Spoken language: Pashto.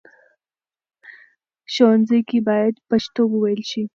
ښوونځي کې بايد پښتو وويل شي.